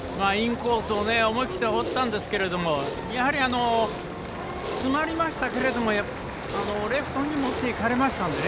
インコースを思いきって放ったんですけれどつまりましたけれどレフトにもっていかれました。